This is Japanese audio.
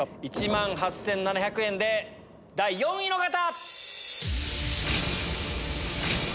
１万８７００円で第４位の方！